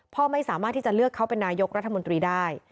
พ่อไม่สามารถที่จะเลือกเขาเป็นนายกรัฐมนตรีได้